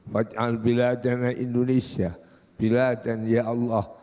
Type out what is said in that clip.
wa ca'al biladana indonesia biladan ya allah